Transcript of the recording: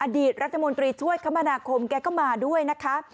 ดีตรัฐมนตรีช่วยคมนาคมแกก็มาด้วยนะคะ